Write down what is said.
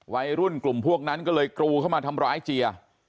วัยรุ่นกลุ่มพวกนั้นก็เลยกรูเข้ามาทำร้ายเจีย